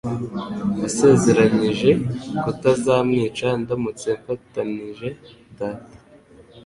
Wasezeranije kutazamwica ndamutse mfatanije, Data.